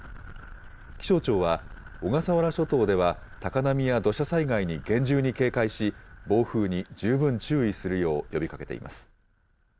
気象庁は、小笠原諸島では高波や土砂災害に厳重に警戒し、暴風に十分注意するよう呼びかけています。